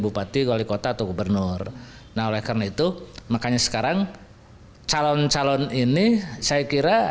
bupati wali kota atau gubernur nah oleh karena itu makanya sekarang calon calon ini saya kira